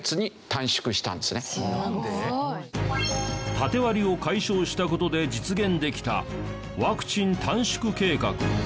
タテ割りを解消した事で実現できたワクチン短縮計画。